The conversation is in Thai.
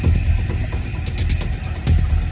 เพราะว่าเมืองนี้จะเป็นที่สุดท้าย